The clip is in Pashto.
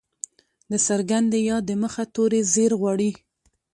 د څرګندي ي د مخه توری زير غواړي.